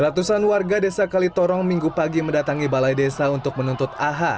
ratusan warga desa kalitorong minggu pagi mendatangi balai desa untuk menuntut aha